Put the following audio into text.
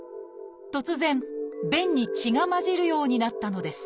突然便に血が混じるようになったのです